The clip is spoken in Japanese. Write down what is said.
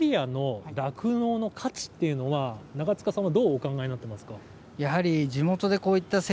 守谷の酪農の価値というのは長塚さんはどうお考えになっていますか。